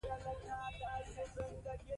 ډېر پښتانه په عذاب سوي دي.